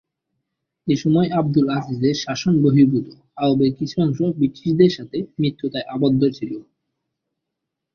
এসময় আবদুল আজিজের শাসন বহির্ভূত আরবের কিছু অংশ ব্রিটিশদের সাথে মিত্রতায় আবদ্ধ ছিল।